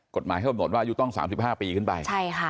กฎหมายเริ่มหนดว่าต้องอายุต้อง๓๕ปีขึ้นไป